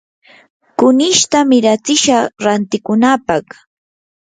kunishta miratsishaq rantikunapaq.